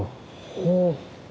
ほう。